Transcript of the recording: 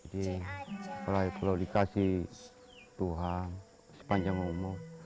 jadi kalau dikasih tuhan sepanjang umur